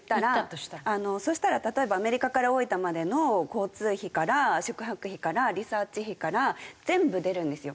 そしたら例えばアメリカから大分までの交通費から宿泊費からリサーチ費から全部出るんですよ。